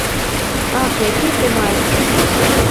Ах, які ты майстар.